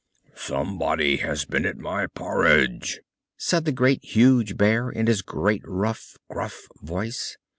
"SOMEBODY HAS BEEN AT MY PORRIDGE!" said the Great, Huge Bear, in his great, rough, gruff voice.